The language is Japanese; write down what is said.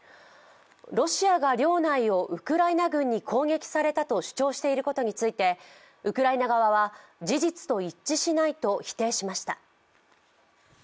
ロシアが領内をウクライナ軍に攻撃されたと主張していることについてウクライナ側は、事実と一致しないと否定しました。